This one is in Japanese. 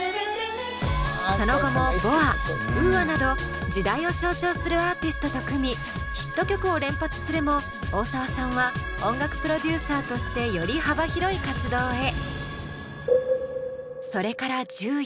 その後もＢｏＡＵＡなど時代を象徴するアーティストと組みヒット曲を連発するも大沢さんは音楽プロデューサーとしてより幅広い活動へ。